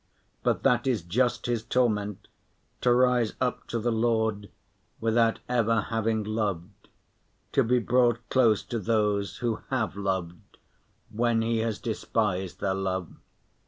But that is just his torment, to rise up to the Lord without ever having loved, to be brought close to those who have loved when he has despised their love.